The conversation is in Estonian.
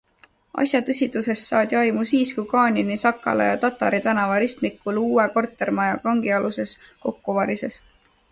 Asja tõsidusest saadi aimu siis, kui Ganin Sakala ja Tatari tänava ristmikul uue kortermaja kangialuses kokku varises.